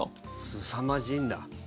すさまじいんだ。